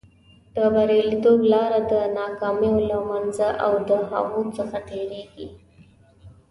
د بریالیتوب لاره د ناکامیو له منځه او د هغو څخه تېرېږي.